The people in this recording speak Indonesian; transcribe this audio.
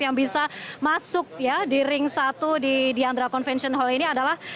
yang bisa masuk ya di ring satu di diandra convention hall ini adalah